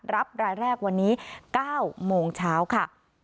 รับรายแรกวันนี้๙โมงเช้าค่ะ